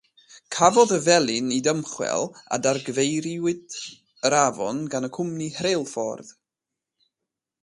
Cafodd y felin ei dymchwel a dargyfeiriwyd yr afon gan y cwmni rheilffordd.